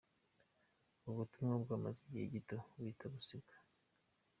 Ubu butumwa bwamaze igihe gito, buhita busibwa.